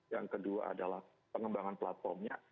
yang kedua adalah pengembangan platformnya